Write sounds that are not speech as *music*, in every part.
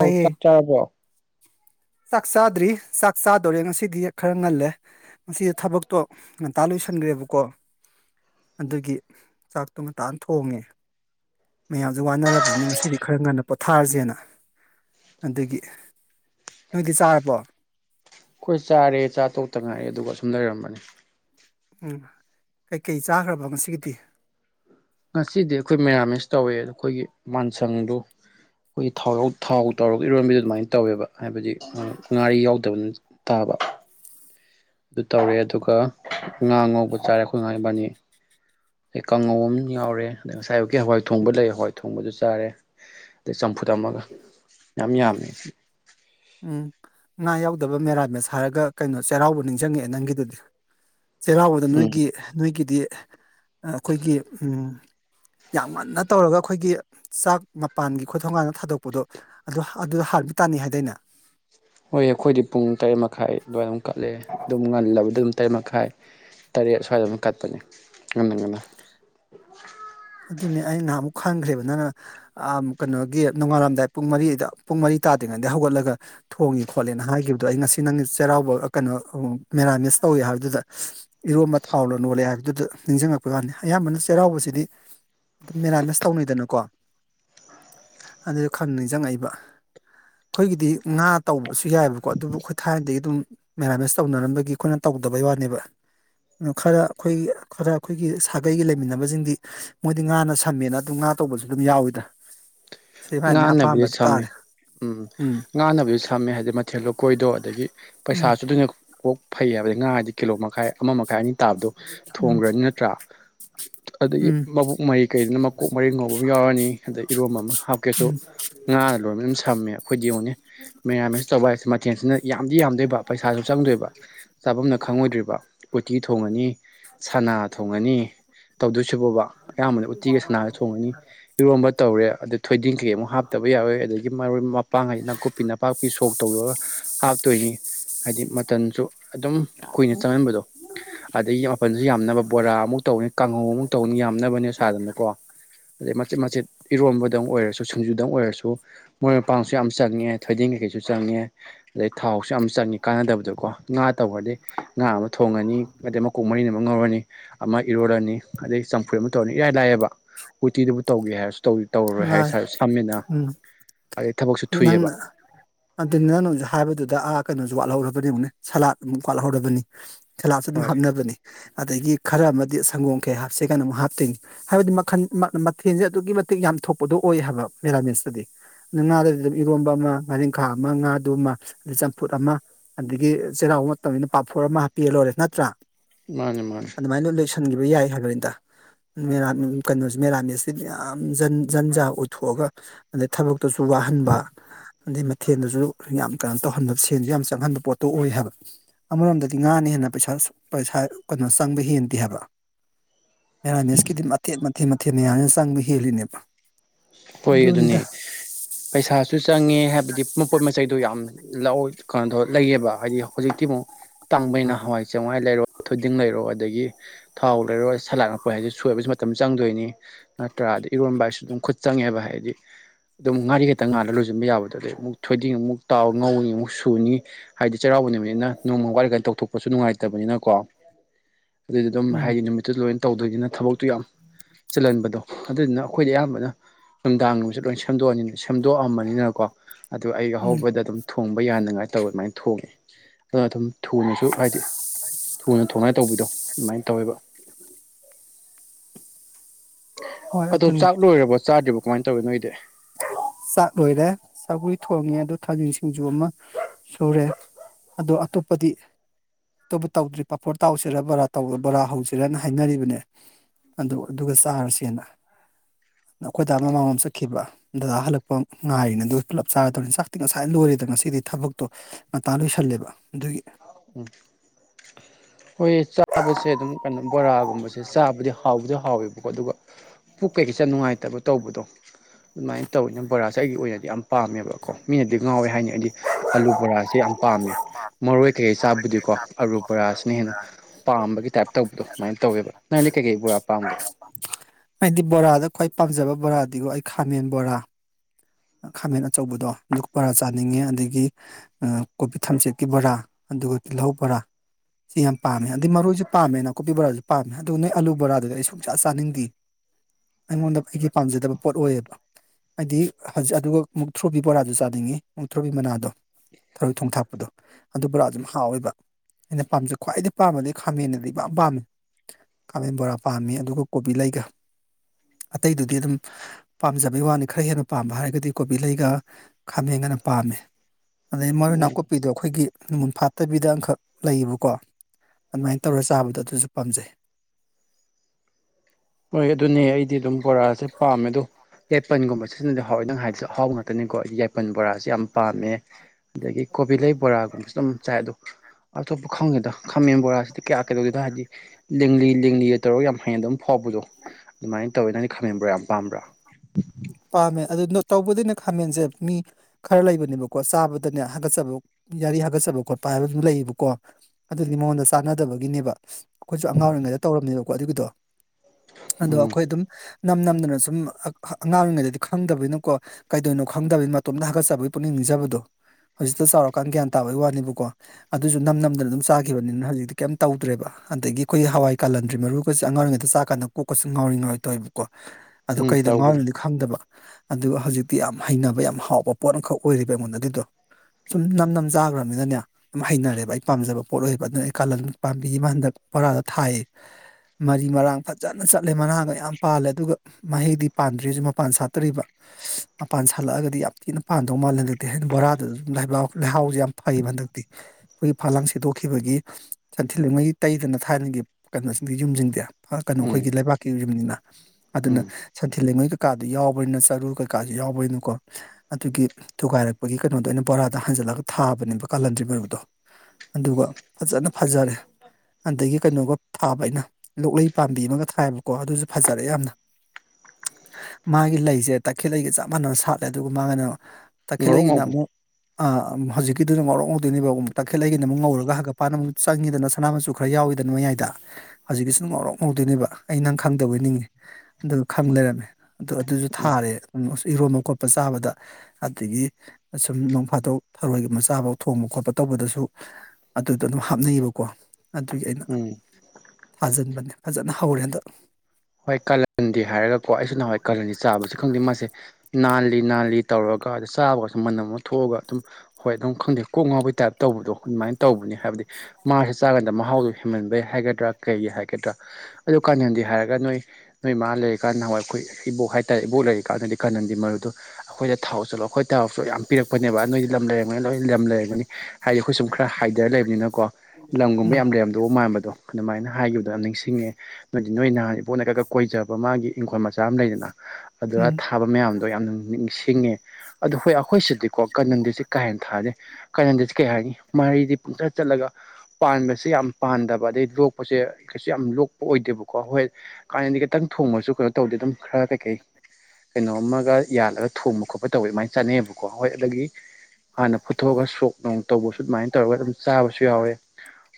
ꯑꯧ ꯆꯥꯛ ꯇꯥꯏꯌꯦ ꯆꯥꯔꯕꯣ ꯆꯥꯛ ꯆꯥꯗ꯭ꯔꯤ ꯆꯥꯛ ꯆꯥꯗꯣꯔꯦ ꯉꯁꯤꯗꯤ ꯈꯔ ꯉꯜꯂꯦ ꯉꯁꯤ ꯊꯕꯛꯇꯣ ꯉꯟꯇꯥ ꯂꯣꯏꯁꯟꯒ꯭ꯔꯦꯕꯀꯣ ꯑꯗꯨꯒꯤ ꯆꯥꯛꯇꯣ ꯉꯇꯥ ꯊꯣꯡꯉꯦ ꯃꯌꯥꯝꯖꯦ ꯋꯥꯅꯔꯕꯅꯤꯅ ꯉꯁꯤꯗꯤ ꯈꯔ ꯉꯟꯅ ꯄꯣꯊꯥꯔꯖꯦꯅ ꯑꯗꯒꯤ ꯅꯣꯏꯗꯤ ꯆꯥꯔꯕꯣ ꯈꯣꯏ ꯆꯥꯔꯦ ꯆꯥ ꯇꯣꯇ ꯉꯥꯏꯔꯤ ꯑꯗꯨꯒ ꯁꯨꯝ ꯂꯩꯔꯝꯕꯅꯦ ꯎꯝ ꯀꯩꯀꯩ ꯆꯥꯈ꯭ꯔꯕ ꯉꯁꯤꯒꯤꯗꯤ ꯉꯁꯤꯗꯤ ꯑꯈꯣꯏ ꯃꯦꯔꯥꯃꯤꯁ ꯇꯧꯋꯦ ꯑꯗꯣ ꯑꯈꯣꯏꯒꯤ ꯃꯥꯟꯁꯪꯗꯣ ꯈꯣꯏꯒꯤ ꯊꯥꯎ ꯌꯥꯎ ꯊꯥꯎ ꯇꯧꯔꯒ ꯏꯔꯣꯟꯕꯤꯗꯣ ꯑꯗꯨꯃꯥꯏꯅ ꯇꯧꯋꯦꯕ ꯍꯥꯏꯕꯗꯤ ꯉꯥꯔꯤ ꯌꯥꯎꯗꯕ ꯇꯥꯕ ꯑꯗꯨ ꯇꯧꯔꯦ ꯑꯗꯨꯒ ꯉꯥ ꯉꯧꯕ ꯆꯥꯔꯦ ꯑꯈꯣꯏ ꯉꯥ ꯏꯕꯥꯅꯤ ꯑꯩꯩ ꯀꯥꯡꯉꯧ ꯑꯃ ꯌꯥꯎꯔꯦ ꯑꯗꯩ ꯉꯁꯥꯏ ꯑꯌꯨꯛꯀꯤ ꯍꯋꯥꯏ ꯊꯣꯡꯕ ꯂꯩ ꯍꯋꯥꯏ ꯊꯣꯡꯕꯗꯨ ꯆꯥꯔꯦ ꯗꯩ ꯆꯝꯐꯨꯠ ꯑꯝꯃꯒ ꯌꯥꯝ ꯌꯥꯝꯃꯦ ꯎꯝ ꯉꯥ ꯌꯥꯎꯗꯕ ꯃꯦꯔꯥꯃꯦꯁ ꯍꯥꯏꯔꯒ ꯀꯩꯅꯣ ꯆꯩꯔꯥꯎꯕ ꯅꯤꯡꯖꯪꯉꯛꯑꯦ ꯅꯪꯒꯤꯗꯨꯗꯤ ꯆꯩꯔꯥꯎꯕꯗ ꯎꯝ ꯅꯣꯏꯒꯤ ꯅꯣꯏꯒꯤꯗꯤ ꯑ ꯑꯈꯣꯏꯒꯤ ꯎꯝ ꯌꯥꯝ ꯉꯟꯅ ꯇꯧꯔꯒ ꯑꯈꯣꯏꯒꯤ ꯆꯥꯛ ꯃꯄꯥꯟꯒꯤ ꯈꯣ ꯊꯣꯡꯒꯥꯟꯗ ꯊꯥꯗꯣꯛꯄꯗꯣ ꯑꯗꯣ ꯑꯗꯨ ꯍꯥꯟꯕꯤ ꯇꯥꯅꯩ ꯍꯥꯏꯗꯩꯅꯦ ꯍꯣꯏ ꯑꯈꯣꯏꯗꯤ ꯄꯨꯡ ꯇꯔꯦꯠ ꯃꯈꯥꯏ ꯂꯣꯏ ꯑꯗꯨꯝ ꯀꯠꯂꯦ ꯑꯗꯨꯝ ꯉꯜꯂꯕꯗ ꯑꯗꯨꯝ ꯇꯔꯦꯠ ꯃꯈꯥꯏ ꯇꯔꯦꯠ ꯁ꯭ꯋꯥꯏꯗ ꯗꯨꯝ ꯀꯠꯄꯅꯦ ꯉꯟꯅ ꯉꯟꯅ ꯑꯗꯨꯅꯦ ꯑꯩ ꯅꯍꯥꯟꯃꯨꯛ ꯈꯪꯈ꯭ꯔꯦꯕ ꯅꯪꯅ ꯑꯥ ꯀꯅꯣꯒꯤ ꯅꯣꯡꯉꯥꯜꯂꯝꯗꯥꯏ ꯄꯨꯡ ꯃꯔꯤꯗ ꯄꯨꯡ ꯃꯔꯤ ꯇꯥꯗ꯭ꯔꯤꯉꯩꯗ ꯍꯧꯒꯠꯂꯒ ꯊꯣꯡꯉꯤ ꯈꯣꯠꯂꯦꯅ ꯍꯥꯏꯈꯤꯕꯗꯣ ꯑꯩ ꯉꯁꯤ ꯅꯪꯒꯤ ꯆꯩꯔꯥꯎꯕ ꯀꯅꯣ ꯃꯦꯔꯥꯃꯤꯁ ꯇꯧꯏ ꯍꯥꯏꯕꯗꯨꯗ ꯏꯔꯣꯝꯕ ꯊꯥꯎꯅ ꯂꯣꯜꯂꯦ ꯍꯥꯏꯕꯗꯨꯗ ꯅꯤꯡꯖꯤꯡꯉꯛꯄ ꯋꯥꯅꯤ ꯑꯌꯥꯝꯕꯅ ꯆꯩꯔꯥꯎꯕꯁꯤꯗꯤ ꯑꯗꯨꯝ ꯃꯦꯔꯥꯃꯦꯁ ꯇꯧꯅꯩꯗꯅꯀꯣ ꯑꯗꯨꯏ ꯈꯪꯅꯤ ꯅꯤꯡꯖꯪꯉꯛꯏꯕ ꯈꯣꯏꯒꯤꯗꯤ ꯉꯥ ꯇꯧꯕꯁꯨ ꯌꯥꯏꯕꯀꯣ ꯑꯗꯨꯕꯨ ꯈꯣꯏ ꯊꯥꯏꯅꯗꯩꯩ ꯑꯗꯨꯝ ꯃꯦꯔꯥꯃꯦꯖ ꯇꯧꯅꯔꯝꯕꯒꯤ ꯑꯈꯣꯏꯅ ꯇꯧꯗꯕꯩ ꯋꯥꯅꯦꯕ ꯈꯔ ꯑꯈꯣꯏ ꯈꯔ ꯑꯈꯣꯏꯒꯤ ꯁꯥꯒꯩꯒꯤ ꯂꯩꯃꯤꯟꯅꯕꯖꯤꯡꯗꯤ ꯃꯣꯏꯗꯤ ꯉꯥꯅ ꯁꯝꯃꯦꯅ ꯑꯗꯨꯝ ꯉꯥ ꯇꯧꯕꯖꯨ ꯑꯗꯨꯝ ꯌꯥꯎꯋꯤꯗ ꯁꯤ ꯃꯥꯏꯃꯥꯏ ꯉꯥꯟꯅꯕꯨꯗꯤ ꯑꯄꯥꯝꯕꯗꯨ ꯁꯝꯃꯦ ꯇꯥꯔꯦ ꯎꯝ ꯉꯥꯅꯕꯨꯗꯤ ꯁꯝꯃꯦ ꯍꯥꯏꯗꯤ ꯃꯊꯦꯜ ꯂꯨꯀꯣꯏꯗꯣ ꯑꯗꯒꯤ ꯎꯝ ꯄꯩꯁꯥꯁꯨ ꯑꯗꯨꯅ ꯀꯣꯛ ꯐꯩ ꯍꯥꯏꯕꯗꯤ ꯉꯥ ꯗꯤ ꯀꯤꯂꯣ ꯃꯈꯥꯏ ꯑꯃ ꯃꯈꯥꯏ ꯑꯅꯤ ꯇꯥꯕꯗꯣ ꯎꯝ ꯊꯣꯡꯒ꯭ꯔꯅꯤ ꯅꯠꯇ꯭ꯔꯥ ꯑꯗꯒꯤ ꯎꯝ ꯃꯕꯨꯛ ꯃꯍꯩ ꯀꯩꯗꯨꯅ ꯃꯀꯣꯛ ꯃꯔꯦꯡ ꯉꯧꯕꯝ ꯌꯥꯎꯔꯅꯤ ꯑꯗꯩ ꯏꯔꯣꯝꯕ ꯑꯃ ꯍꯥꯞꯀꯦꯁꯨ ꯎꯝ ꯉꯥꯗ ꯂꯣꯏꯅ ꯑꯗꯨꯝ ꯁꯝꯃꯦꯕ ꯑꯩꯈꯣꯏꯗꯤ ꯌ°ꯡꯉ°ꯅ° ꯃꯦꯔꯥꯃꯦꯁ ꯇꯧꯕ ꯍꯥꯏꯁꯦ ꯃꯊꯦꯜꯁꯤꯅ ꯌꯥꯝꯗꯤ ꯌꯥꯝꯗꯣꯏꯕ ꯄꯩꯁꯥꯁꯨ ꯆꯪꯗꯣꯏꯕ ꯆꯥꯐꯝꯅ ꯈꯪꯉꯣꯏꯗ꯭ꯔꯤꯕ ꯎꯇꯤ ꯊꯣꯡꯉꯅꯤ ꯁꯅꯥ ꯊꯣꯡꯉꯅꯤ ꯇꯧꯗꯣꯏꯁꯤꯕꯣꯕ ꯑꯌꯥꯝꯕꯅ ꯎꯠꯇꯤꯒ ꯁꯅꯥꯒꯥ ꯊꯣꯡꯉꯅꯤ ꯏꯔꯣꯝꯕ ꯇꯧꯔꯦ ꯑꯗ ꯊꯣꯏꯗꯡ ꯀꯩꯃꯨꯛ ꯍꯥꯞꯇꯕ ꯌꯥꯔꫭꯏ ꯑꯗꯒꯤ ꯃꯔꯣꯏ ꯃ ꯄꯥꯡ ꯉꯩꯁꯤ ꯅꯥꯀꯨꯞꯄꯤ ꯅꯅꯥꯄꯥꯛꯄꯤ ꯁꯣꯛ ꯇꯧꯔꯒ ꯍꯥꯞꯇꯣꯏꯅꯤ ꯍꯥꯏꯗꯤ ꯃꯇꯝꯁꯨ ꯑꯗꯨꯝ ꯀꯨꯏꯅ ꯆꯪꯍꯟꯕꯗꯣ ꯑꯗꯗꯒꯤ ꯃꯥꯄꯜꯁꯨ ꯌꯥꯝꯅꯕ ꯕꯣꯔꯥ ꯑꯃꯨꯛ ꯇꯧꯅꯤ ꯀꯥꯡꯍꯧ ꯑꯃꯨꯛ ꯇꯧꯅꯤ ꯌꯥꯝꯅꯕꯅꯦ ꯁꯥꯗꯅꯀꯣ ꯑꯗꯩ ꯃꯆꯦꯠ ꯃꯆꯦꯠ ꯏꯔꯣꯝꯕ ꯗꯪ ꯑꯣꯏꯔꯁꯨ ꯁꯤꯡꯖꯨꯗꯪ ꯑꯣꯏꯔꯁꯨ ꯃꯔꯣꯏ ꯃꯄꯥꯡꯁꯨ ꯌꯥꯝ ꯆꯪꯉꯦ ꯊꯣꯏꯗꯡ ꯀꯩꯀꯩꯁꯨ ꯆꯪꯉꯦ ꯑꯗꯩ ꯊꯥꯎꯁꯨ ꯌꯥꯝ ꯆꯪꯉꯤ ꯀꯥꯟꯅꯗꯕꯗꯀꯣ ꯉꯥ ꯇꯧꯈ꯭ꯔꯗꯤ ꯉꯥ ꯑꯃ ꯊꯣꯡꯉꯅꯤ ꯑꯗꯩ ꯃꯀꯣꯛ ꯃꯔꯤꯟ ꯑꯃ ꯉꯧꯔꯅꯤ ꯑꯃ ꯏꯔꯣꯜꯂꯅꯤ ꯑꯗꯩ ꯆꯝꯐꯨꯔꯤ ꯑꯃ ꯇꯧꯔꯅꯤ ꯏꯔꯥꯏ ꯂꯥꯏꯑꯌꯦꯕ ꯎꯇꯤꯗꯨꯕꯨ ꯇꯧꯒꯦ ꯍꯥꯏꯔꯁꯨ ꯇꯧꯔꯣꯏ ꯍꯥꯏ ꯉꯥꯏ ꯁꯝꯃꯤꯅ ꯑꯗꯩ ꯊꯕꯛꯁꯨ ꯊꯨꯏꯑꯕ ꯅꯪꯅꯥ ꯑꯗꯨ ꯅꯪ ꯅꯍꯧꯖꯤꯡ ꯍꯥꯏꯕꯗꯨꯗ ꯑꯥ ꯀꯩꯅꯣꯁꯨ ꯋꯥꯠꯍꯧꯔꯕꯅꯤ ꯑꯃꯨꯛꯅꯦ ꯁꯂꯥꯠ ꯑꯃꯨꯛ ꯋꯥꯠꯍꯧꯔꯕꯅꯤ ꯁꯦꯂꯥꯞꯁꯨ ꯑꯗꯨꯝ ꯍꯣꯏ ꯍꯥꯞꯅꯕꯅꯤ ꯑꯗꯒꯤ ꯈꯔ ꯑꯃꯗꯤ ꯁꯪꯒꯣꯝ ꯀꯩ ꯍꯥꯞꯁꯦ ꯀꯥꯏꯅ ꯑꯃꯨꯛ ꯍꯥꯞꯇꯣꯏꯅꯤ ꯍꯥꯏꯕꯗꯤ ꯃꯈꯟ ꯃꯊꯦꯜꯁꯦ ꯑꯗꯨꯛꯀꯤ ꯃꯇꯤꯛ ꯌꯥꯝ ꯊꯣꯛꯄꯗꯣ ꯑꯣꯏ ꯍꯥꯏꯕ ꯃꯦꯔꯥꯃꯤꯟꯁꯇꯗꯤ ꯑꯗꯨ ꯉꯗꯥꯗꯤ ꯑꯗꯨꯝ ꯏꯔꯣꯝꯕ ꯑꯃ ꯉꯥꯔꯤꯡꯈꯥ ꯑꯃ ꯉꯥꯗꯨ ꯑꯃ ꯑꯗꯩ ꯆꯝꯐꯨꯠ ꯑꯃ ꯑꯗꯒꯤ ꯆꯩꯔꯥꯎꯕ ꯃꯇꯝꯅꯤꯅ ꯄꯥꯐꯣꯔ ꯑꯃ ꯍꯥꯞꯄꯤꯔꯥ ꯂꯣꯏꯔ° ꯅꯠꯇ꯭ꯔꯥ ꯃꯥꯅꯤ ꯃꯥꯅꯤ ꯑꯗꯨꯃꯥꯏꯅ ꯂꫭꯏ ꯂꯣꯏꯁꯤꯟꯈꯤꯕ ꯌꯥꯏ ꯍꯥꯏꯕꯅꯤꯗ *inaudible* ꯃꯦꯔꯥꯕꯤꯁꯤ ꯌꯥꯝꯖꯟ ꯖꯟꯖꯥ ꯎꯊꯣꯛꯑꯒ ꯑꯗꯩ ꯊꯕꯛꯇꯁꯨ ꯋꯥ ꯍꯟꯕ ꯑꯗꯩ ꯃꯊꯦꯜꯗꯁꯨ ꯌꯥꯝ ꯀꯩꯅꯣ ꯇꯧꯍꯟꯕ ꯁꯦꯟꯁꯨ ꯌꯥꯝ ꯆꯪꯍꯟꯕ ꯄꯣꯠꯇꯨ ꯑꯣꯏ ꯍꯥꯏꯕ ꯑꯃꯔꯣꯝꯗꯗꯤ ꯉꯥꯅ ꯍꯦꯟꯅ ꯄꯩꯁꯥ ꯄꯩꯁꯥ ꯀꯩꯅꯣ ꯆꯪꯕ ꯍꯦꯟꯗꯦ ꯍꯥꯏꯕ *inaudible* ꯃꯦꯔꯥꯃꯤꯁꯀꯤꯗꯤꯝ ꯑꯊꯦꯠ ꯃꯊꯦꯜ ꯃꯊꯦꯜ ꯃꯌꯥꯝꯁꯤꯅ ꯆꯪꯕ ꯍꯦꯜꯂꯤꯅꯦꯕꯥ ꯍꯣꯏ ꯑꯗꯨꯅꯦ ꯄꯩꯁꯥꯁꯨ ꯆꯪꯉꯦ ꯍꯥꯏꯕꯗꯤ ꯃꯄꫭꯠ ꯃꯆꯩꯗꯣ ꯌꯥꯝ ꯂꯧꯋ *inaudible* ꯂꯩꯌꯦꯕ ꯍꯥꯏꯗꯤ ꯍꯧꯖꯤꯛꯇꯤ ꯑꯃꯨꯛ ꯇꯥꯡꯕꯩꯅ ꯍꯋꯥꯏ ꯆꯦꯡꯋꯥꯏ ꯂꯩꯔꯣ ꯊꯣꯏꯗꯤꯡ ꯂꯩꯔꯣ ꯑꯗꯥꯒꯤ ꯊꯥꯎ ꯂꯩꯔꯣꯏ ꯁꯟꯂꯛ ꯃꯄꫭꯠ ꯍꯥꯏꯗꯤ ꯁꯣꯏꯕꯁꯨ ꯃꯇꯝ ꯆꯪꯗꯣꯏꯅꯤ ꯅꯠꯇ꯭ꯔꯥ ꯑꯗꯩ ꯏꯔꯣꯟꯕ ꯍꯥꯏꯁꯨ ꯑꯗꯨꯝ ꯆꯪꯉꯦꯕ ꯍꯥꯏꯗꯤ ꯑꯗꯨꯝ ꯉꯥꯔꯤ ꯈꯛꯇꯪ ꯉꯥꯜꯂ ꯂꯣꯏꯁꯤꯟꯕ ꯌꯥꯕꯗꯨꯗꯥ ꯑꯃꯨꯛ ꯊꯣꯏꯗꯤꯡ ꯑꯃꯨꯛ ꯇꯥꯎ ꯉꯧꯅꯤ ꯑꯃꯨꯛ ꯁꯨꯅꯤ ꯍꯥꯏꯗꯤ ꯆꯩꯔꯥꯎꯕꯅꯤꯅ ꯅꯣꯡꯃ ꯋꯥꯔꯤ ꯀꯥꯏ ꯇꯧꯊꯣꯛꯄꯁꯨ ꯅꯨꯡꯉꯥꯏꯇꯕꯅꯤꯅꯀꯣ ꯑꯗꯨꯏꯗꯩꯗꯤ ꯑꯗꯨꯝ ꯎꯝ ꯍꯥꯏꯗꯤ ꯅꯨꯃꯤꯠꯇꯨꯗ ꯂꯣꯏ ꯇꯧꯗꯣꯏꯅꯤꯅ ꯊꯕꯛꯇꯨ ꯌꯥꯝ ꯆꯜꯍꯟꯕꯗꯣ ꯑꯗꯨꯗꯨꯅ ꯑꯩꯈꯣꯏꯗ ꯑꯌꯥꯝꯕꯅ ꯅꯨꯡꯗꯥꯡ ꯅꯨꯡꯁꯨ ꯂꯣꯏ ꯁꯦꯝꯗꯣꯛꯑꯅꯤꯅ ꯁꯦꯝꯗꯣꯛꯑꯝꯕꯅꯤꯅꯀꯣ ꯑꯗꯨ ꯎꯝ ꯋꯍꯧꯕꯗꯥ ꯑꯗꯨꯝ ꯊꯣꯡꯕ ꯌꯥꯅꯉꯥꯏ ꯇꯧꯋ ꯑꯗꯨꯃꯥꯏꯅ ꯊꯣꯡꯉꯦ ꯑꯗꯨꯅ ꯑꯗꯨꯝ ꯊꯨꯅꯁꯨ ꯍꯥꯏꯗꯤ ꯊꯨꯅ ꯊꯣꯡꯅꯥꯏ ꯇꯧꯕꯤꯗꯣ ꯑꯗꯨꯃꯥꯏꯅ ꯇꯧꯋꯦꯕ ꯍꯣꯏ ꯑꯗꯣ ꯑꯗꯨꯅꯤ ꯆꯥꯛ ꯂꯣꯏꯔꯕꯣ ꯆꯥꯗ꯭ꯔꯤꯕꯣ ꯀꯃꯥꯏꯅ ꯇꯧꯋꯤ ꯅꯣꯏꯗꯤ ꯆꯥꯛ ꯂꯣꯏꯔꯦ ꯁꯧꯒꯔꯤ ꯊꯣꯡꯉꯦ ꯑꯗꯨ ꯊꯥꯡꯖꯤꯡ ꯁꯤꯡꯖꯨ ꯑꯃ ꯁꯨꯔꯦ ꯑꯗꯣ ꯑꯇꯣꯞꯄꯗꯤ ꯑꯇꫭꯞꯄꯥ ꯇꯧꯗ꯭ꯔꯤ ꯄꯥꯐꯣꯔ ꯇꯥꯎꯁꯤꯔꯥ ꯕꯣꯔꯥ ꯇꯧ ꯕꯣꯔꯥ ꯍꯧꯁꯤꯔꯅ ꯍꯥꯏꯅꯔꯤꯕꯅꯦ ꯑꯗꯨ ꯑꯗꯨꯒ ꯆꯥꯔꯁꯦꯅ ꯑꯩꯈꯣꯏ ꯗꯥ ꯃꯃꯥꯡꯣꯝ ꯆꯠꯈꯤꯕ ꯗꯗꯥ ꯍꯜꯂꯛꯄ ꯉꯥꯏꯔꯤꯅꯤ ꯑꯗꯨ ꯄꯨꯂꯞ ꯆꯥꯔꯗꯧꯅꯤ ꯆꯥꯛꯇꯤ ꯉꯁꯥꯏ ꯂꯣꯏꯔꯦꯗꯅ ꯉꯁꯤꯗꯤ ꯊꯕꯛꯇꯣ ꯉꯟꯇꯥ ꯂꯣꯏꯁꯜꯂꯦꯕ ꯑꯗꯨꯏ ꯎꯝ ꯍꯣꯏ ꯆꯥꯕꯁꯦ ꯑꯗꯨꯝ ꯀꯩꯅꯣ ꯕꯣꯔꯥꯒꯨꯝꯕꯖꯦ ꯆꯥꯕꯗꯤ ꯍꯥꯎꯕꯗꯤ ꯍꯥꯎꯋꯦꯕꯀꯣ ꯑꯗꯨꯒ ꯄꯨꯛ ꯀꯩꯀꯩ ꯁꯦ ꯌꯝ ꯅꯨꯡꯉꯥꯏꯇꯕ ꯇꯧꯕꯗꯣ ꯑꯗꯨꯃꯥꯏꯅ ꯇꯧꯋꯤꯅ ꯕꯣꯔꯥꯁꯦ ꯑꯩꯒꯤ ꯑꯣꯏꯅꯗꯤ ꯌꯥꯝ ꯄꯥꯝꯃꯦꯕꯀꯣ ꯃꯤꯅꯗꯤ ꯉꯥꯎꯋꯦ ꯍꯥꯏꯅꯤ ꯑꯩꯗꯤ ꯑꯂꯨ ꯕꯣꯔꯥꯖꯦ ꯌꯥꯝ ꯄꯥꯝꯃꯦ ꯃꯔꯣꯏ ꯀꯩꯀꯩ ꯆꯥꯕꯨꯗꯤꯀꯣ ꯑꯥꯔꯨ ꯕꯣꯔꯥꯁꯤꯅ ꯍꯦꯟꯅ ꯄꯥꯝꯕꯒꯤ ꯇꯥꯏꯞ ꯇꯧꯕꯗꯣ ꯃꯥꯏ ꯇꯧꯋꯦꯕ ꯅꯪꯗꯤ ꯀꯩ ꯀꯩ ꯕꯣꯔꯥ ꯄꯥꯝꯒꯦ ꯑꯩꯗꯤ ꯕꯣꯔꯥꯗ ꯈ꯭ꯨꯋꯥꯏ ꯄꯥꯝꯖꯕ ꯕꯣꯔꯥꯗꯤꯒꯣ ꯑꯩ ꯈꯥꯃꯦꯟ ꯕꯣꯔꯥ ꯈꯥꯃꯦꯟ ꯑꯆꯧꯕꯗꯣ ꯗꯨ ꯕꯣꯔꯥ ꯆꯥꯅꯤꯡꯉꯦ ꯑꯗꯒꯤ ꯑꯥ ꯀꯣꯕꯤ ꯊꯝꯆꯦꯠꯀꯤ ꯕꯣꯔꯥ ꯑꯗꯨꯒ ꯇꯤꯜꯍꯧ ꯕꯣꯔꯥ ꯁꯤ ꯌꯥꯝ ꯄꯥꯝꯃꯦ ꯑꯗꯩ ꯃꯔꯣꯏꯖꯨ ꯄꯥꯝꯃꯦ ꯅꯥꯀꯨꯝꯄꯤ ꯕꯣꯔꯥꯖꯨ ꯄꯥꯝꯃꯦ ꯑꯗꯨ ꯅꯣꯏ ꯑꯥꯂꯨ ꯕꯣꯔꯥꯗꯨꯗꯤ ꯑꯩ ꯁꯨꯡꯆꯥ ꯆꯥꯅꯤꯡꯗꯦ *inaudible* ꯑꯩꯉꯣꯟꯗ ꯑꯩꯒꯤ ꯄꯥꯝꯖꯗꯕ ꯄꯣꯠ ꯑꯣꯏꯌꯦꯕ ꯍꯥꯏꯗꯤ ꯍꯖꯤꯛ ꯑꯗꯨꯒ ꯃꯨꯛꯊ꯭ꯔꯨꯕꯤ ꯕꯣꯔꯥꯖꯨ ꯆꯥꯅꯤꯉꯤ ꯃꯨꯛꯊ꯭ꯔꯨꯕꯤ ꯃꯅꯥꯗꯣ ꯊꯔꯣꯏ ꯊꯣꯡ ꯊꯥꯛꯄꯗꯣ ꯑꯗꯨ ꯈꯔ ꯑꯗꯨꯝ ꯍꯥꯎꯋꯦꯕ ꯑꯩꯅ ꯄꯥꯝꯕꯖꯦ ꯈ꯭ꯋꯥꯏꯗꯩ ꯄꯥꯝꯕꯗꯤ ꯈꯥꯃꯦꯟꯅꯗꯤ ꯏꯄꯥꯝ ꯄꯥꯝꯃꯦ ꯈꯥꯃꯦꯟ ꯕꯣꯔꯥ ꯄꯥꯝꯃꯤ ꯑꯗꯨꯒ ꯀꯣꯕꯤ ꯂꯩꯒ ꯑꯇꯩꯗꯨꯗꯤ ꯑꯗꯨꯝ ꯄꯥꯝꯖꯕꯩ ꯋꯥꯅꯤ ꯈꯔ ꯍꯦꯟꯅ ꯄꯥꯝꯕ ꯍꯥꯏꯔꯒꯗꯤ ꯀꯣꯕꯤ ꯂꯩꯩꯒ ꯈꯥꯃꯦꯟꯒꯅ ꯄꯥꯝꯃꯦ ꯑꯗꯩ ꯃꯣꯏ ꯅꯥꯀꯨꯞꯄꯤꯗꯣ ꯑꯈꯣꯏꯒꯤ ꯃꯨꯟ ꯐꯥꯠꯇꯕꯤꯗ ꯑꯃꯈꯛ ꯂꯩꯌꯦꯕꯀꯣ ꯑꯗꯨꯃꯥꯏꯟ ꯇꯧꯔ ꯆꯥꯕꯗꯣ ꯑꯗꯨꯖꯨ ꯄꯥꯝꯖꯩ ꯍꯣꯏ ꯑꯗꯨꯅꯦ ꯑꯩꯗꯤ ꯑꯗꯨꯝ ꯕꯣꯔꯥꯖꯦ ꯄꯥꯝꯃꯦ ꯑꯗꯣ ꯌꯥꯏꯄꯟꯒꯨꯝꯕ ꯁꯤꯖꯤꯟꯅꯗꯤ ꯍꯥꯎꯋꯦ ꯅꯪ ꯍꯥꯏꯁꯨ ꯑꯍꯥꯎ ꯉꯥꯛꯇꯅꯤꯀꯣ ꯑꯩꯗꯤ ꯌꯥꯏꯄꯟ ꯕꯣꯔꯥꯁꯦ ꯌꯥꯝ ꯄꯥꯝꯃꯦ ꯑꯗꯒꯤ ꯀꯣꯕꯤꯂꯩ ꯕꯣꯔꯥꯒꯨꯝꯕꯁꯨ ꯑꯗꯨꯝ ꯆꯥꯏ ꯑꯗꯣ ꯑꯇꯣꯞꯄ ꯈꯪꯗꯦꯗ ꯈꯥꯃꯦꯟ ꯕꯣꯔꯥ ꯀꯌꯥ ꯀꯩꯗꯧꯗꯦꯗ ꯍꯥꯏꯗꯤ ꯂꯦꯡꯂꯤ ꯂꯦꯡꯂꯤꯒ ꯇꯧꯔ ꯌꯥꯝ ꯍꯩꯅ ꯐꯥꯎꯕꯗꯣ ꯑꯗꯨꯃꯥꯏꯅ ꯇꯧꯋꯦ ꯅꯪꯗꯤ ꯈꯥꯃꯦꯟꯕꯣꯔꯥ ꯌꯥꯝ ꯄꯥꯝꯕ꯭ꯔꯥ ꯄꯥꯝꯃꯦ ꯑꯗꯨ ꯇꯧꯕꯗꯤꯅꯦ ꯈꯥꯃꯦꯟꯁꯦ ꯃꯤ ꯈꯔ ꯂꯩꯕꯅꯦꯕꯀꯣ ꯆꯥꯕꯗꯅꯦ ꯍꯥꯒꯠꯆꯕ ꯌꯥꯔꯤ ꯍꯥꯒꯠꯆꯕ ꯈꯣꯠꯄ ꯍꯥꯏꯕꯖꯨ ꯂꯩꯌꯦꯕꯀꯣ ꯑꯗꯨꯒꯤ ꯃꯉꯣꯟꯗ ꯆꯥꯟꯅꯗꯕꯒꯤꯅꯦꯕ ꯑꯈꯣꯏꯖꯨ ꯑꯉꯥꯡ ꯑꯣꯏꯔꯤꯉꯩꯗ ꯇꯧꯔꯝꯃꯦꯕꯀꯣ ꯑꯗꯨꯒꯤꯗꯣ ꯑꯗꯣ ꯎꯝ ꯑꯈꯣꯏ ꯑꯗꯨꯝ ꯅꯝ ꯅꯝꯗꯅ ꯁꯨꯝ ꯑꯉꯥꯡ ꯑꯣꯏꯔꯤꯉꯩꯗꯗꯤ ꯈꯪꯗꯕꯅꯤꯅꯀꯣ ꯀꯩꯗꯣꯏꯅꯣ ꯈꯪꯗꯕꯅꯤꯅ ꯃꯇꯣꯝꯇ ꯍꯥꯒꯠꯆꯕꯒꯤ ꯄꯨꯛꯅꯤꯡ ꯅꯤꯡꯖꯕꯗꯣ ꯍꯧꯖꯤꯛꯇ ꯆꯥꯎꯔꯀꯥꯟ ꯒ꯭ꯌꯥꯟ ꯇꯥꯕꯩ ꯋꯥꯅꯦꯕꯀꯣ ꯑꯗꯨꯖꯨ ꯅꯝ ꯅꯝꯗꯅ ꯑꯗꯨꯝ ꯆꯥꯒꯤꯕꯅꯤꯅ ꯍꯧꯖꯤꯛꯇꯤ ꯀꯩꯝ ꯇꯧꯗ꯭ꯔꯦꯕ ꯑꯗꯒꯤ ꯑꯈꯣꯏ ꯍꯋꯥꯏ ꯀꯥꯂꯟꯗ꯭ꯔꯤ ꯃꯔꯨꯒꯖꯦ ꯑꯉꯥꯡ ꯑꯣꯏꯔꯤꯉꯩꯗ ꯆꯥ ꯀꯥꯟꯗ ꯀꯣꯛꯀꯥꯁꯦ ꯉꯥꯎꯔꯤ ꯉꯥꯎꯔꯤ ꯇꯧꯋꯦꯕꯀꯣ *inaudible* ꯑꯗꯨ ꯀꯩꯗ ꯇꯧꯕꯅꯦ ꯉꯥꯎꯔꯤꯅꯣꯗꯤ ꯈꯪꯗꯕ ꯑꯗꯨꯒ ꯍꯧꯖꯤꯛꯇꯤ ꯌꯥꯝ ꯍꯩꯅꯕ ꯌꯥꯝ ꯍꯥꯎꯕ ꯄꯣꯠ ꯑꯃꯈꯛ ꯑꯣꯏꯔꯤꯕ ꯑꯩꯉꯣꯟꯗ ꯑꯗꯨꯗꯣ ꯁꯨꯝ ꯅꯝ ꯅꯝ ꯆꯥꯒ꯭ꯔꯕꯅꯤꯅꯅꯦ ꯍꯩꯅꯔꯦꯕ ꯑꯩ ꯄꯥꯝꯖꯕ ꯄꯣꯠ ꯑꯣꯏꯕ ꯑꯗꯨꯅ ꯑꯩ ꯀꯥꯂꯟ ꯄꯥꯝꯕꯤ ꯑꯃ ꯍꯟꯗꯛ ꯕꯣꯔꯥꯗ ꯊꯥꯏ ꯃꯔꯤ ꯃꯔꯥꯡ ꯐꯖꯅ ꯆꯠꯂꯦ ꯃꯅꯥꯒ ꯌꯥꯝ ꯄꯥꯜꯂꯦ ꯑꯗꯨꯒ ꯃꯍꯩꯗꯤ ꯄꯥꯟꯗ꯭ꯔꯤ ꯃꯄꯥꯟ ꯁꯥꯠꯇ꯭ꯔꯤꯕ ꯃꯄꯥꯟ ꯁꯥꯠꯂꯛꯑꯒꯗꯤ ꯌꯥꯝ ꯊꯤꯅ ꯄꯥꯟꯗꯧ ꯃꯥꯜꯂꯦ ꯍꯟꯗꯛꯇꯤ ꯍꯥꯏꯗꯤ ꯕꯣꯔꯥꯗ ꯂꯩꯕꯥꯛ ꯂꯩꯍꯥꯎ ꯌꯥꯝ ꯐꯩꯕ ꯍꯟꯗꯛꯇꯤ ꯈꯣꯏꯒꯤ ꯐꯥꯂꯥꯡ ꯁꯤꯠꯗꯣꯛꯈꯤꯕꯒꯤ ꯁꯟꯊꯤ ꯂꯩꯉꯣꯏꯒꯤ ꯇꯩꯗꯅ ꯊꯥꯏꯅꯒꯤ ꯀꯩꯅꯣꯁꯤꯡꯗꯤ ꯌꯨꯝꯖꯤꯡꯗꯤ ꯐꯥ ꯀꯩꯅꯣ ꯎꯝ ꯑꯩꯈꯣꯏꯒꯤ ꯂꯩꯕꯥꯛꯀꯤ ꯌꯨꯝꯅꯤꯅ ꯑꯗꯨꯅ ꯎꯝ ꯁꯟꯊꯤ ꯂꯩꯉꯣꯏꯒ ꯀꯥꯗ ꯌꯥꯎꯕꯅꯤꯅ ꯆꯥꯔꯨ ꯀꯩꯀꯥꯁꯨ ꯌꯥꯎꯕꯅꯤꯅ ꯀꯣ ꯑꯗꯨꯒꯤ ꯊꯨꯒꯥꯏꯔꯛꯄꯒꯤ ꯀꯩꯅꯣꯗꯣ ꯑꯩꯅ ꯕꯣꯔꯥꯗ ꯍꯥꯟꯖꯤꯜꯂꯒ ꯊꯥꯕꯅꯦꯕ ꯀꯥꯂꯟꯗ꯭ꯔꯤ ꯃꯔꯨꯗꯣ ꯑꯗꯨꯒ ꯐꯖꯥꯅ ꯐꯖꯔꯦ ꯑꯗꯩꯒꯤ ꯀꯩꯅꯣꯒ ꯊꯥꯕ ꯑꯩꯅ ꯂꯣꯛꯂꯩ ꯄꯥꯝꯕꯤ ꯑꯃꯒ ꯊꯥꯌꯦꯕꯀꯣ ꯑꯗꯨꯖꯨ ꯐꯖꯥꯔꯦ ꯌꯥꯝꯅ꯫ ꯃꯥꯒꯤ ꯂꯩꯁꯦ ꯇꯈꯦꯜꯂꯩꯒ ꯆꯞ ꯃꯥꯟꯅꯅ ꯁꯥꯠꯂꯦ ꯑꯗꯨꯒ ꯃꯥꯒꯤꯅ ꯉꯧꯔꯣꯛ ꯇꯈꯦꯜꯂꯩꯒꯤꯅ ꯉꯧꯕꯅꯤ ꯑꯃꯨꯛ ꯑꯥ ꯑꯝ ꯍꯧꯖꯤꯛꯀꯤꯗꯨꯅ ꯉꯧꯔꯣꯛ ꯉꯧꯗꯣꯏꯅꯦꯕ ꯑꯣꯝ ꯇꯈꯦꯠꯂꯩꯒꯤꯅ ꯑꯃꯨꯛ ꯉꯧꯔꯒ ꯍꯪꯒꯠꯄꯥꯟ ꯑꯃꯨꯛ ꯆꯪꯉꯤꯗꯅ ꯁꯠ ꯃꯅꯥ ꯃꯆꯨ ꯈꯔ ꯌꯥꯎꯋꯤꯗꯅ ꯃꯌꯥꯏꯗ ꯍꯧꯖꯤꯛꯀꯤꯁꯤꯅ ꯉꯧꯔꯣꯛ ꯉꯧꯗꯣꯏꯅꯦꯕ ꯑꯩ ꯅꯪ ꯈꯪꯗꯕꯣꯏ ꯅꯤꯡꯉꯤ ꯑꯗꯨꯒ ꯈꯪ ꯂꯩꯔꯝꯃꯦ꯫ ꯑꯗꯣ ꯑꯗꯨꯁꯨ ꯎꯝ ꯊꯥꯔꯦ ꯎꯝ ꯑꯁ ꯏꯔꯣꯝꯕ ꯀꯣꯠꯄ ꯆꯥꯕꯗ ꯑꯗꯒꯤ ꯑꯁꯨꯝ ꯅꯣꯡ ꯐꯥꯗꯣꯛ ꯊꯔꯣꯏꯒꯨꯝꯕ ꯆꯥꯕ ꯊꯣꯡꯕ ꯈꯣꯠꯄ ꯇꯧꯕꯗꯁꯨ ꯑꯗꯨꯗ ꯑꯗꯨꯝ ꯍꯥꯞꯅꯩꯕꯀꯣ ꯑꯗꯨꯒꯤ ꯑꯩꯅ ꯎꯝ ꯊꯥꯖꯟꯕꯅꯦ ꯐꯖꯟꯅ ꯍꯧꯔꯦ ꯍꯟꯗꯛ ꯍꯣꯏ ꯀꯥꯂꯟꯗꯤ ꯍꯥꯏꯔꯒꯀꯣ ꯑꯩꯁꯨ ꯅꯍꯥꯟꯋꯥꯏ ꯀꯥꯂꯟꯗꯤ ꯆꯥꯕꯁꯨ ꯈꯪꯗꯦ ꯃꯥꯁꯦ ꯅꯥꯜꯂꯤ ꯅꯥꯜꯂꯤ ꯇꯧꯔꯒ ꯑꯗ ꯆꯥꯕꯒꯁ ꯃꯅꯝ ꯑꯃ ꯊꯣꯛꯑꯒ ꯑꯗꯨꯝ ꯍꯣꯏ ꯑꯗꯨꯝ ꯈꯪꯗꯦ ꯀꯣꯛ ꯉꯥꯎꯕꯩ ꯇꯥꯏꯞ ꯇꯧꯕꯗꯣ ꯑꯗꯨꯃꯥꯏꯅ ꯇꯧꯕꯅꯤ ꯍꯥꯏꯕꯗꯤ ꯃꯥꯁꯦ ꯆꯥꯀꯥꯟꯗ ꯃꯍꯥꯎꯗꯣ ꯍꯦꯟꯃꯟꯕꯩ ꯍꯥꯏꯒꯗ꯭ꯔꯥ ꯀꯩꯒꯤ ꯍꯥꯏꯒꯗ꯭ꯔꯥ ꯑꯗꯨ ꯀꯥꯟꯅꯗꯤ ꯍꯥꯏꯔ ꯔꯥ ꯅꯣꯏ ꯅꯣꯏ ꯃꯥ ꯂꯩꯔꯤꯀꯥꯟ ꯅꯍꯥꯟꯋꯥꯏ ꯑꯩꯈꯣꯏ ꯏꯕꯣꯛ ꯍꯥꯏꯇꯥꯔꯦ ꯏꯕꯣꯛ ꯂꯩꯔꯤꯀꯥꯟꯗꯗꯤ ꯀꯅꯟꯗꯤ ꯃꯔꯨꯗꯨ ꯑꯈꯣꯏꯗ ꯊꯥꯎ ꯆꯠꯂꯣ ꯑꯩꯈꯣꯏ ꯇꯥꯎꯔꯆꯣ ꯌꯥꯝ ꯄꯤꯔꯛꯄꯅꯦꯕ ꯑꯅꯣꯏ ꯂꯝ ꯂꯩꯔꯝꯒꯅꯤ ꯂꯣꯏ ꯂꯝ ꯂꯩꯔꯝꯒꯅꯤ ꯍꯥꯏꯌꯦ ꯑꯩꯈꯣꯏ ꯁꯨꯝ ꯈꯔ ꯍꯥꯏꯗꯥꯔ ꯂꯩꯕꯅꯤꯅꯀꯣ ꯎꯝ ꯂꯝꯒꯨꯝꯕ ꯌꯥꯝ ꯂꯩꯔꯝ ꯗꯧ ꯃꯥꯟꯕꯗꯣ ꯑꯗꯨꯃꯥꯏꯅ ꯍꯥꯏꯈꯤꯕꯗꯣ ꯌꯝ ꯅꯤꯡꯁꯤꯡꯉꯦ ꯅꯗꯤ ꯅꯣꯏ ꯅꯍꯥꯟ ꯕꯣꯠꯅꯀꯀꯥ ꯀꯣꯏꯖꯕ ꯃꯥꯒꯤ ꯏꯪꯈꯣꯜ ꯃꯆꯥ ꯑꯝ ꯂꯩꯗꯅ ꯑꯗꯨꯔ ꯎꯝ ꯊꯥ ꯊꯥꯕ ꯃꯌꯥꯝꯗꯣ ꯌꯥꯝꯅ ꯅꯤꯡꯁꯤꯡꯉꯦ, ꯑꯗꯣ ꯍꯣꯏ ꯑꯈꯣꯏꯁꯤꯗꯤꯀꯣ ꯀꯅꯟꯗꯤꯁꯤ ꯀꯥ ꯍꯦꯟꯅ ꯊꯥꯗꯦ ꯀꯥꯅꯟꯗꯤꯁꯤ ꯀꯩ ꯍꯥꯏꯅꯤ ꯃꯥꯔꯤꯗꯤ ꯄꯨꯡꯆꯠ ꯆꯠꯂꯒ ꯄꯥꯟꯕꯁꯦ ꯌꯥꯝ ꯄꯥꯟꯗꯕ ꯑꯗꯩ ꯂꯣꯛꯄꯁꯦ ꯀꯩꯁꯨ ꯌꯥꯝ ꯂꯣꯛꯄ ꯑꯣꯏꯗꯦꯕꯀꯣ ꯍꯣꯏ ꯀꯥꯏꯅꯟꯗꯤ ꯈꯤꯇꯪ ꯊꯣꯡꯉꯁꯨ ꯀꯩꯅꯣ ꯇꯧꯗꯦ ꯑꯗꯨꯝ ꯈꯔ ꯀꯩꯀꯩ ꯀꯩꯅꯣꯝ ꯑꯃꯒ ꯌꯥꯜꯂꯒ ꯊꯣꯡꯕ ꯈꯣꯠꯄ ꯇꯧꯋꯦ ꯑꯗꯨꯃꯥꯏꯟ ꯆꯥꯅꯩꯑꯦꯕꯀꯣ ꯍꯣꯏ ꯑꯗꯒꯤ ꯍꯥꯟꯅ ꯐꯨꯠꯊꯣꯛꯑꯒ ꯁꯣꯛ ꯅꯣꯡ ꯇꯧꯕꯁꯨ ꯑꯗꯨꯃꯥꯏꯟ ꯇꯧꯔꯒ ꯑꯗꯨꯝ ꯆꯥꯕꯁꯨ ꯌꯥꯎꯋꯦ꯫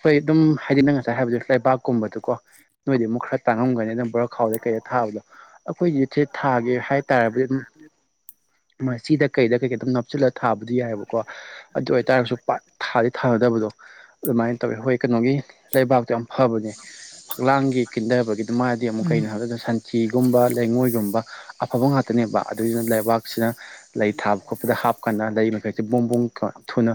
ꯍꯣꯏ ꯑꯗꯨꯝ ꯍꯥꯏꯗꯤ ꯅꯪ ꯉꯁꯥꯏ ꯍꯥꯏꯕꯗꯨ ꯂꯩꯕꯥꯛꯀꯨꯝꯕꯗꯨꯀꯣ ꯅꯣꯏꯗꯤ ꯑꯃꯨꯛ ꯈꯔ ꯇꯥꯡꯉꯝ ꯅꯝꯕꯔ ꯈꯥꯎꯗꯦ ꯀꯩꯗ ꯊꯥꯕꯗꯣ ꯑꯩꯈꯣꯏꯒꯤ ꯊ꯭ꯔꯦꯠ ꯊꯥꯒꯦ ꯍꯥꯏꯇꯥꯔꯕꯗꯤ ꯑꯗꯨꯝ ꯃꯆꯤꯗ ꯀꯩꯗ ꯀꯩꯀꯩ ꯑꯗꯨꯝ ꯅꯞꯆꯤꯜꯂꯥ ꯊꯥꯕꯗꯤ ꯌꯥꯏꯑꯦꯕꯀꯣ ꯑꯗꯨ ꯑꯣꯏꯇꯥꯔꯒꯁꯨ ꯄꯠ ꯊꯥꯗꯤ ꯊꯥꯅꯗꯕꯗꯣ ꯑꯗꯨꯃꯥꯏꯟ ꯇꯧꯋꯦ ꯍꯣꯏ ꯀꯩꯅꯣꯒꯤ ꯂꯩꯕꯥꯛꯇꯣ ꯌꯥꯝ ꯐꯥꯕꯅꯦ ꯐꯛꯂꯥꯡꯒꯤ ꯀꯤꯟꯊꯕꯒꯤꯗꯨ ꯃꯥꯗꯤ ꯑꯃꯨꯛ ꯀꯩꯅꯣ ꯎꯝ ꯍꯥꯏꯕꯗꯗꯥ ꯁꯟ ꯆꯤꯒꯨꯝꯕ ꯂꯩꯉꯣꯏꯒꯨꯝꯕ ꯑꯐꯕ ꯉꯥꯛꯇꯅꯦꯕ ꯑꯗꯨꯏꯗꯨꯅ ꯂꯩꯕꯥꯛꯁꯤꯅ ꯂꯩ ꯊꯥꯕ ꯈꯣꯠꯄꯗ ꯍꯥꯞꯀꯟꯗꯥ ꯂꯩ ꯃꯈꯩꯁꯦ ꯕꯣꯡꯕꯣꯡ ꯊꯣꯏ ꯊꯨꯅ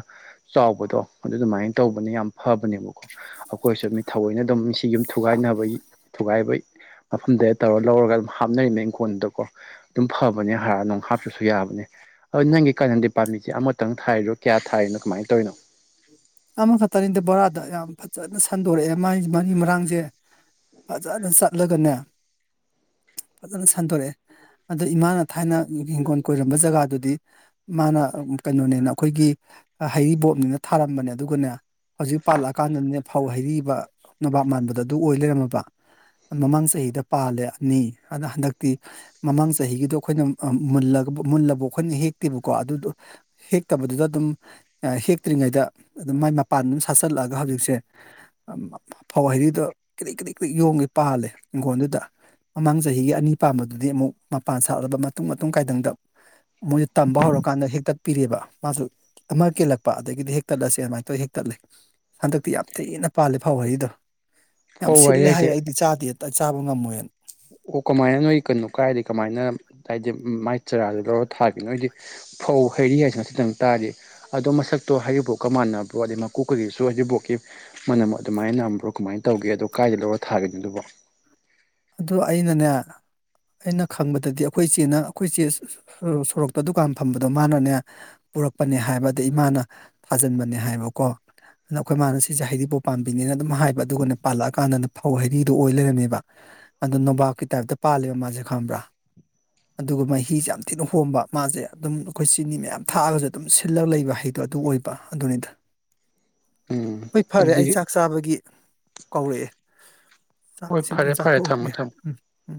ꯆꯥꯎꯕꯗꯣ ꯑꯗꯨ ꯑꯗꯨꯃꯥꯏꯟ ꯇꯧꯕꯅꯦ ꯌꯥꯝ ꯐꯥꯕꯅꯦꯕꯀꯣ ꯑꯈꯣꯏꯁꯨ ꯃꯤꯠ ꯊꯑꯣꯏꯅ ꯑꯗꯨꯝ ꯁꯤ ꯌꯨꯝ ꯊꯨꯒꯥꯏꯅꯕꯒꯤ ꯊꯨꯒꯥꯏꯕꯩ ꯃꯐꯝꯗꯩ ꯇꯧꯔ ꯂꯧꯔꯒ ꯑꯗꯨꯝ ꯍꯥꯞꯅꯔꯤꯅꯦꯡ ꯏꯪꯈꯣꯟꯗꯀꯣ ꯑꯗꯨꯝ ꯐꯕꯅꯦ ꯍꯥꯔ ꯅꯨꯡ ꯍꯥꯞ ꯇ꯭ꯔꯨꯁꯨ ꯌꯥꯕꯅꯦ ꯑꯗꯣ ꯅꯪꯒꯤ ꯀꯅꯟꯗꯤ ꯄꯥꯟꯕꯤꯁꯦ ꯑꯃꯇꯪ ꯊꯥꯏꯔꯤꯔꯣ ꯀ꯭ꯌꯥ ꯊꯥꯔꯤꯅꯣ ꯀꯃꯥꯏꯟ ꯇꯧꯔꯤꯅꯣ? ꯑꯃꯈꯛꯇꯅꯤꯗ ꯕꯣꯔꯥꯗ ꯌꯥꯝ ꯐꯖꯥꯅ ꯁꯟꯗꯣꯔꯛꯑꯦ ꯃꯥꯏ ꯃꯔꯤ ꯃꯔꯥꯡꯁꯦ ꯐꯖꯥꯅ ꯆꯠꯂꯒꯅꯦ ꯐꯖꯥꯅ ꯁꯟꯗꯣꯔꯛꯑꯦ ꯑꯗꯥ ꯏꯃꯥꯅ ꯊꯥꯏꯅ ꯍꯤꯡꯒꯣꯜ ꯀꯣꯏꯔꯝꯕ ꯖꯒꯥꯗꯨꯗꯤ ꯃꯥꯅ ꯑꯥ ꯀꯩꯅꯣꯅꯦꯅ ꯑꯩꯈꯣꯏꯒꯤ ꯍꯩꯔꯤꯕꯣꯞꯅꯤꯅ ꯊꯥꯔꯝꯕꯅꯦꯞ ꯑꯗꯨꯒꯅꯦ ꯍꯧꯖꯤꯛ ꯄꯥꯜꯂꯛꯑꯀꯥꯟꯗꯅꯦ ꯐꯧ ꯍꯩꯔꯤꯕ ꯅꯕꯥꯞ ꯃꯥꯟꯕꯗꯣ ꯑꯗꯨ ꯑꯣꯏ ꯂꯩꯔꯝꯃꯕ ꯃꯃꯥꯡ ꯆꯍꯤꯗ ꯄꯥꯜꯂꯦ ꯑꯅꯤ ꯑꯗꯨꯅ ꯍꯟꯗꯛꯇꯤ ꯃꯃꯥꯡ ꯆꯍꯤꯒꯤꯗꯣ ꯑꯩꯈꯣꯏꯅ ꯑ ꯃꯨꯜꯂꯕ‌ꯣꯛ ꯃꯨꯜꯂꯕ‌ꯣꯛ ꯑꯩꯈꯣꯏꯅ ꯍꯦꯛꯇꯦꯕꯀꯣ ꯑꯗꯨꯗꯣ ꯍꯦꯛꯇꯕꯗꯨꯗ ꯑꯗꯨꯝ ꯑ ꯍꯦꯛꯇ꯭ꯔꯤꯉꯩꯗ ꯑꯗꯨꯝ ꯃꯥꯏ ꯃꯄꯥꯟ ꯑꯗꯨꯝ ꯁꯥꯠꯆꯜꯂꯛꯑꯒ ꯍꯧꯖꯤꯛꯁꯦ ꯑꯝ ꯑꯝ ꯐꯧ ꯍꯩꯔꯤꯗꯣ ꯀ꯭ꯔꯤꯛ ꯀ꯭ꯔꯤꯛ ꯀ꯭ꯔꯤꯛ ꯌꯣꯝꯒꯩ ꯄꯥꯜꯂꯦ ꯏꯪꯈꯣꯟꯗꯨꯗ ꯃꯃꯥꯡ ꯆꯍꯤꯒꯤ ꯑꯅꯤ ꯄꯥꯟꯕꯥꯗꯨꯗꯤ ꯑꯃꯨꯛ ꯃꯄꯥꯟ ꯁꯥꯠꯂꯕ ꯃꯇꯨꯡ ꯃꯇꯨꯡ ꯀꯥꯏꯗꯪꯗ ꯃꯣꯏꯅ ꯇꯝꯕ ꯍꯧꯔꯀꯥꯟꯗ ꯍꯦꯛꯇꯛꯄꯤꯔꯦꯕ ꯃꯥꯁꯨ ꯑꯃ ꯀꯦꯜꯂꯛꯄ ꯑꯗꯒꯤꯗꯤ ꯍꯦꯛ ꯇꯠꯂꯁꯦꯅ ꯑꯗꯨꯃꯥꯏꯅ ꯇꯧ ꯍꯦꯛ ꯇꯠꯂꯦ ꯍꯟꯗꯛꯇꯤ ꯌꯥꯝ ꯊꯤꯅ ꯄꯥꯜꯂ‌ꯦ ꯐꯧ ꯍꯔꯤꯗꯣ ꯌꯥꯝ ꯍꯣꯏ ꯍꯣꯏ ꯁꯤꯜꯂꯦ ꯑꯩꯁꯦ ꯍꯥꯏꯌꯦ ꯑꯩꯗꯤ ꯆꯥꯗꯦꯗ ꯆꯥꯕ ꯉꯝꯃꯣꯏꯅ ꯑꯣ ꯀꯃꯥꯏꯅ ꯅꯣꯏ ꯀꯩꯅꯣ ꯀꯥꯏꯗꯤ ꯀꯃꯥꯏꯅ ꯍꯥꯏꯗꯤ ꯃꯥꯏ ꯆꯔꯥꯗ‌ꯣ ꯊꯥꯒ‌ꯦ ꯅꯣꯏꯗꯤ ꯐꯧ ꯍꯩꯔꯤ ꯍꯥꯏꯁꯤ ꯆꯁꯤꯇꯪ ꯇꯥꯏꯌ‌ꯦ ꯑꯗꯣ ꯃꯁꯛꯇꯣ ꯍꯥꯏꯔꯤꯕꯐꯥꯎꯀ ꯃꯥꯟꯅꯕꯣ ꯑꯗꯩ ꯃꯀꯣꯛꯀꯒꯤꯁꯨ ꯍꯥꯏꯗꯤ ꯍꯔꯤꯕꯐꯥꯎꯀꯤ ꯃꯅꯕ‌ꯣ ꯑꯗꯨꯃꯥꯏꯅ ꯅꯝꯕ꯭ꯔꯣ ꯀꯃꯥꯏꯅ ꯇꯧꯒꯦ ꯑꯗꯣ ꯀꯥꯏꯗ ꯂꯧꯔ ꯊꯥꯒ‌ꯦ ꯑꯗꯨꯕꯣ ꯑꯗꯨ ꯑꯩꯅꯅꯦ ꯑꯩꯅ ꯈꯪꯕꯗꯗꯤ ꯑꯩꯈꯣꯏ ꯏꯆꯦꯅ ꯑꯩꯈꯣꯏ ꯏꯆꯦ ꯁꯣꯔꯣꯛꯇ ꯗꯨꯀꯥꯟ ꯐꯝꯕꯗꯣ ꯃꯥꯅꯅꯦ ꯄꯨꯔꯛꯄꯅꯦ ꯍꯥꯏꯕ ꯑꯗꯩ ꯃꯥꯅ ꯊꯥꯖꯤꯟꯕꯅꯦ ꯍꯥꯏꯕꯀꯣ ꯅ ꯑꯩꯈ‌ꯣꯏ ꯃꯥꯅ ꯁꯤꯁ‌ꯦ ꯍꯩꯔꯤꯕꯥꯎꯀ ꯄꯥꯝꯕꯤꯅꯦꯅ ꯑꯗꯨꯝ ꯍꯥꯏꯕ ꯑꯗꯨꯒꯅ‌ꯦ ꯄꯥꯜꯂꯛꯑꯀꯥꯟꯗ ꯐꯧ ꯍꯩꯔꯤꯗꯨꯣ ꯑꯣꯏ ꯂꯩꯔꯝꯃ‌ꯦꯕ ꯑꯗ‌ꯣ ꯅꯣꯕꯥꯥꯞꯀꯤ ꯇꯥꯏꯞꯇ ꯄꯥꯜꯂꯦꯕ ꯃꯥꯁꯦ ꯈꯪꯕ꯭ꯔꯥ ꯑꯗꯨꯒ ꯃꯍꯤꯁꯦ ꯌꯥꯝ ꯊꯤꯅ ꯍꯣꯝꯕ ꯃꯥꯁꯦ ꯑꯗꯨꯝ ꯑꯩꯈꯣꯏ ꯆꯤꯅꯤ ꯃꯌꯥꯝ ꯊꯥꯛꯑꯒꯁꯨ ꯑꯗꯨꯝ ꯁꯤꯜꯂꯒ ꯂꯩꯕ ꯍꯩꯗꯣ ꯑꯗꯨ ꯑꯣꯏꯕ ꯑꯗꯨꯅꯤꯗ ꯎꯝ ꯍꯣꯏ ꯐꯔꯦ ꯑꯩ ꯑꯗꯨꯗꯤ ꯆꯥꯛ ꯆꯥꯕꯒꯤ ꯀꯧꯔꯛꯑꯦ ꯍꯣꯏ ꯁꯤꯗꯅ ꯐꯔꯦ ꯐꯔꯦ ꯊꯝꯃꯣ ꯆꯥꯊꯣꯛꯎꯈꯤꯒꯦ ꯊꯝꯃꯣ ꯎꯝ ꯎꯝ